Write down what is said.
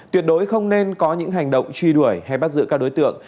tuyệt đối không nên có những hành động truy đuổi hay bắt giữ các đối tượng